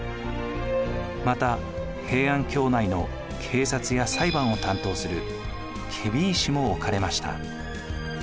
また平安京内の警察や裁判を担当する検非違使も置かれました。